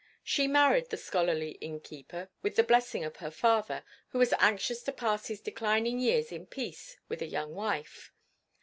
She married the scholarly innkeeper with the blessing of her father, who was anxious to pass his declining years in peace with a young wife.